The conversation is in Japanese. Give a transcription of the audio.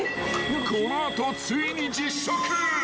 ［この後ついに実食］